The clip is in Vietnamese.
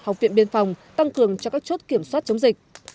học viện biên phòng tăng cường cho các chốt kiểm soát chống dịch